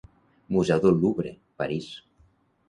Museu del Louvre, París.